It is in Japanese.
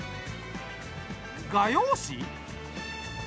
画用紙？